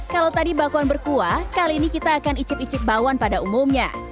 kalau tadi bakwan berkuah kali ini kita akan icip icip bakwan pada umumnya